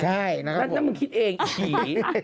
ใช่นะครับผมนั่นมันคิดเองขี่